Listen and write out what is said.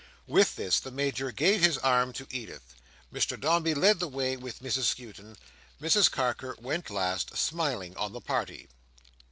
With this, the Major gave his arm to Edith; Mr Dombey led the way with Mrs Skewton; Mr Carker went last, smiling on the party.